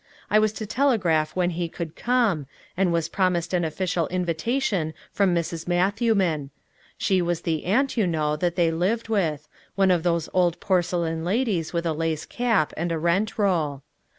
I was to telegraph when he could come, and was promised an official invitation from Mrs. Matthewman. (She was the aunt, you know, that they lived with one of those old porcelain ladies with a lace cap and a rent roll.)